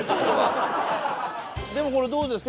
これどうですか？